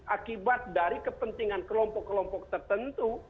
akibat dari kepentingan kelompok kelompok tertentu